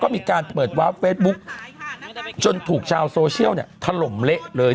มีการเปิดวาร์ฟเฟซบุ๊กจนถูกชาวโซเชียลเนี่ยถล่มเละเลย